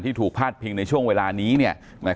ถูกพาดพิงในช่วงเวลานี้